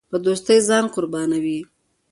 په دوستۍ ځان قربانوي.